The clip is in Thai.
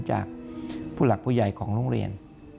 จากผู้หลักผู้ใหญ่ของโรงเรียน